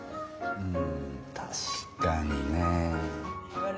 うん確かにね。